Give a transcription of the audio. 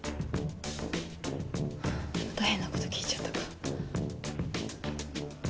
また変なこと聞いちゃったか。